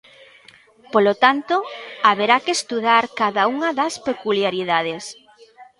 Polo tanto, haberá que estudar cada unha das peculiaridades.